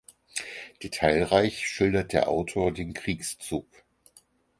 Detailreich schildert der Autor den Kriegszug.